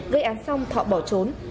gây án xong thọ bỏ trốn